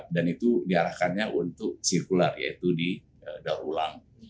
dan itu diarahkannya untuk sirkular yaitu didalur ulang